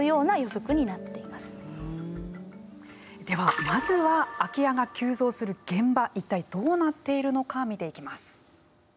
ではまずは空き家が急増する現場一体どうなっているのか見ていきます。